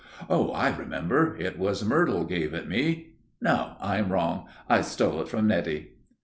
Oh, I remember, it was Myrtle gave it me! No, I am wrong; I stole it from Nettie!)